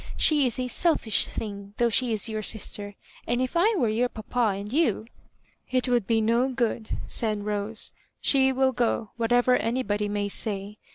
She is a selfish thing, though she is your sister; and if I were your papa and you—" " It would be no good, " said Rose. ^* She will go, whatever anybody may say.